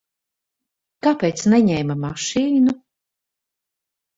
Kāpēc neņēma mašīnu?